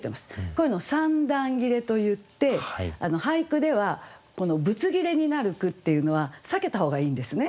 こういうのを三段切れといって俳句ではこのぶつ切れになる句っていうのは避けた方がいいんですね。